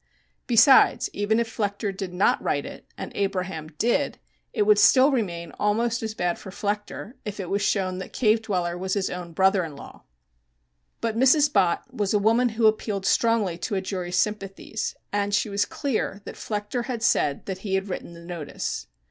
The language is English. Besides, even if Flechter did not write it and Abraham did, it would still remain almost as bad for Flechter if it was shown that "Cave Dweller" was his own brother in law. But Mrs. Bott was a woman who appealed strongly to a jury's sympathies, and she was clear that Flechter had said that he had written the notice.